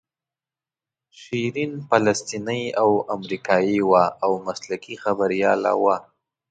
شیرین فلسطینۍ او امریکایۍ وه او مسلکي خبریاله وه.